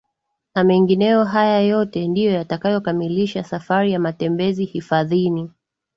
na mengineyo haya yote ndio yatakayokamilisha safari ya matembezi hifadhini